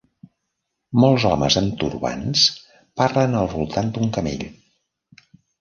Molts homes amb turbants parlen al voltant d'un camell.